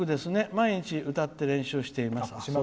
毎日歌って練習しています」。